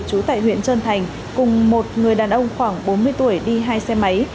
trú tại huyện trơn thành cùng một người đàn ông khoảng bốn mươi tuổi đi hai xe máy